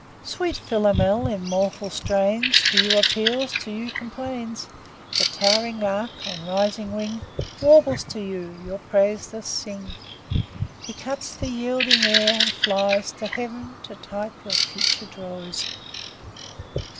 II. Sweet Philomel, in mournful strains, To you appeals, to you complains. The tow'ring lark, on rising wing, Warbles to you, your praise does sing; He cuts the yielding air, and flies To heav'n, to type your future joys.